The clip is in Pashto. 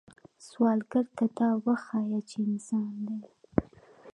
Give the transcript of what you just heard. سوالګر ته دا وښایه چې انسان دی